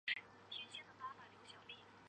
团体项目将采用淘汰赛制。